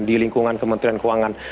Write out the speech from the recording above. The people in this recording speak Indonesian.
di lingkungan kementerian keuangan